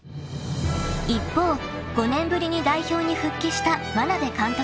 ［一方５年ぶりに代表に復帰した眞鍋監督］